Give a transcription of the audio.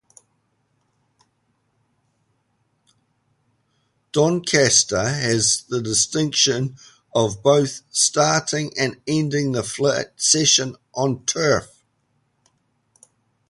Doncaster has the distinction of both starting and ending the flat season on turf.